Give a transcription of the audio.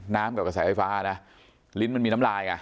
กับกระแสไฟฟ้านะลิ้นมันมีน้ำลายไง